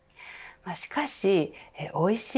しかしおいしい